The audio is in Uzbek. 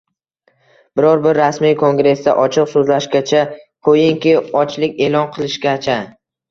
biror bir rasmiy kongressda ochiq so‘zlashgacha, qo‘yingki, ochlik e’lon qilishgacha